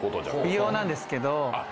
美容なんですけど。